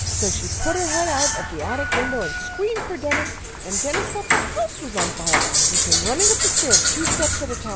So she put her head out at the attic window and screamed for Dennis, and Dennis thought the house was on fire, and came running up the stairs two steps at a time.